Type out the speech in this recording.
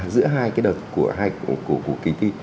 giữa hai cái đợt của kỳ thi